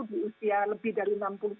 di usia lebih dari enam puluh tahun